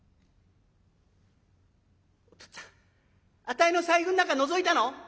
「お父っつぁんあたいの財布ん中のぞいたの？」。